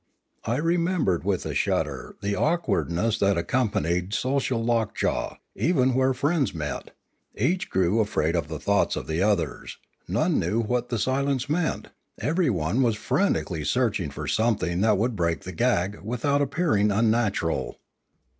I remembered with a shudder the awkwardness that accompanied social lockjaw, even where friends met; each grew afraid of the thoughts of the others; none knew what the silence meant; everyone was frantically searching for something that would break the gag without ap pearing unnatural.